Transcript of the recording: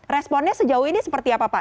responnya sejauh ini seperti apa pak